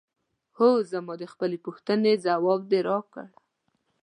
هو زما د خپلې پوښتنې ځواب دې راکړ؟